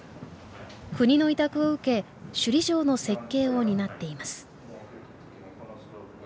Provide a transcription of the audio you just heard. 国の委託を受け首里城の設計を担っています